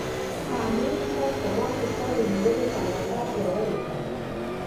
همدې احساس په ما کې ستا د لیدنې تلوسه پیاوړې کړه.